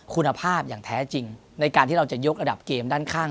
คุณภาพอย่างแท้จริงในการที่เราจะยกระดับเกมด้านข้าง